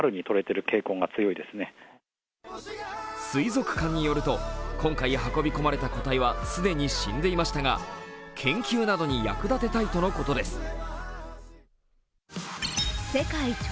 水族館によると、今回運び込まれた個体は既に死んでいましたが、研究などに役立てたいとのことです。